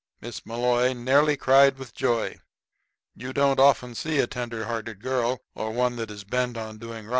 Miss Malloy nearly cried with joy. You don't often see a tenderhearted girl or one that is bent on doing right.